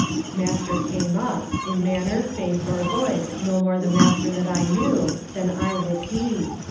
Master came up—in manner, face, or voice, no more the master that I knew, than I was he.